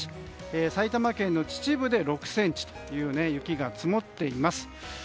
埼玉県の秩父で６ｃｍの雪が積もっています。